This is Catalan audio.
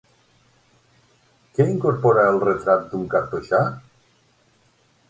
Què incorpora el Retrat d'un cartoixà?